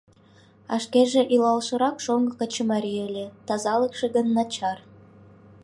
А шкеже илалшырак шоҥго качымарий ыле, тазалыкше гын начар.